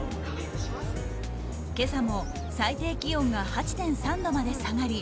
今朝も最低気温が８．３度まで下がり